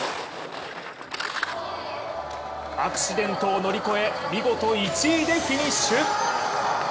アクシデントを乗り越え見事１位でフィニッシュ。